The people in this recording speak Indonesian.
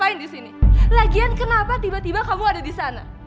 kamu ngapain disini lagian kenapa tiba tiba kamu ada disana